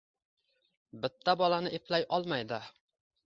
Bitta bolani eplay olmaydi